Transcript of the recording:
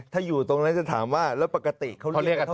ถ้าอยู่ตรงนั้นจะถามว่าแล้วปกติเขาเรียกกันเท่าไ